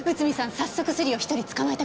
早速スリを１人捕まえたくらいですから。